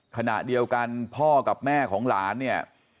ขณะเดียวกันพ่อกับแม่ของหลานเนี่ย